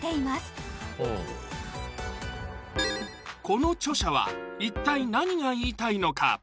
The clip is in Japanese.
この著者は一体何が言いたいのか？